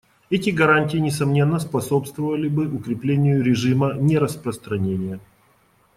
Эти гарантии, несомненно, способствовали бы укреплению режима нераспространения.